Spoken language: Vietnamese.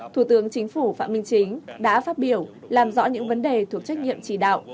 thủ tướng chính phủ phạm minh chính đã phát biểu làm rõ những vấn đề thuộc trách nhiệm chỉ đạo